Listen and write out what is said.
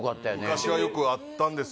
昔はよくあったんです